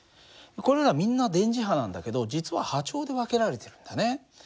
これらみんな電磁波なんだけど実は波長で分けられてるんだね。